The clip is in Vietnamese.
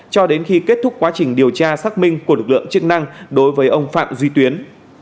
cho đến khi kết thúc quá trình điều tra xác minh của lực lượng chức năng đối với ông phạm duy tuyến